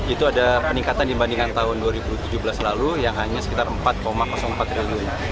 itu ada peningkatan dibandingkan tahun dua ribu tujuh belas lalu yang hanya sekitar empat empat triliun